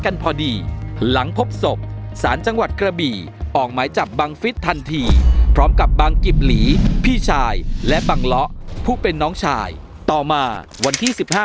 กันพอดีหลังพบศพสารจังหวัดกระบี่ออกหมายจับบังฟิศทันทีพร้อมกับบังกิบหลีพี่ชายและบังเลาะผู้เป็นน้องชายต่อมาวันที่๑๕